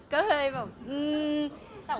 ก็เลยแบบอืม